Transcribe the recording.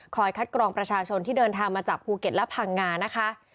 คัดกรองประชาชนที่เดินทางมาจากภูเก็ตและพังงานะคะ